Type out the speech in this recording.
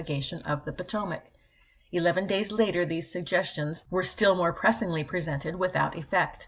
gation of the Potomac." Eleven days later these v., p. 573. ' suggestions were still more pressingly presented, without effect.